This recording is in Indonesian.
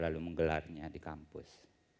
lalu menggelarnya di kampus